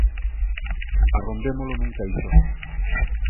Arrombémolo nun caixón.